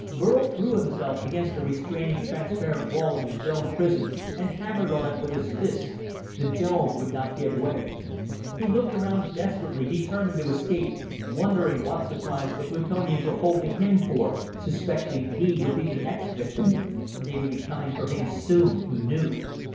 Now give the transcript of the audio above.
Burl threw himself against the restraining transparent wall of his dome prison and hammered on it with his fists. The dome would not give way. He looked around desperately, determined to escape, wondering what surprise the Plutonians were holding him for suspecting he would be the next victim. They would be coming for him soon, he knew.